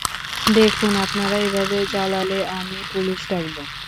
দেখুন আপনারা এভাবে জ্বালালে, আমি পুলিশ ডাকবো।